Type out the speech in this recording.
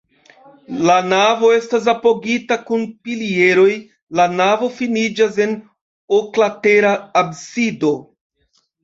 La navo estas apogita kun pilieroj, la navo finiĝas en oklatera absido.